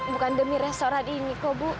bukan demi restoran ini